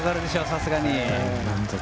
さすがに。